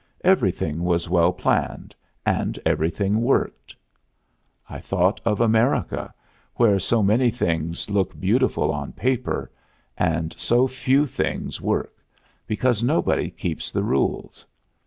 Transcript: Everything was well planned and everything worked. I thought of America, where so many things look beautiful on paper and so few things work, because nobody keeps the rules.